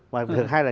và thứ hai là